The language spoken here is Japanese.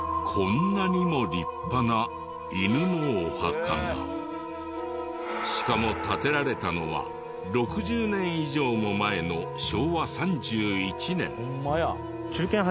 こんなにもしかも建てられたのは６０年以上も前の昭和３１年。